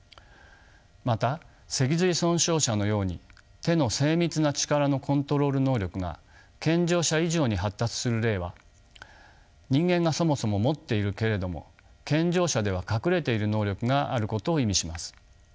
また脊髄損傷者のように手の精密な力のコントロール能力が健常者以上に発達する例は人間がそもそも持っているけれども健常者では隠れている能力があることを意味します。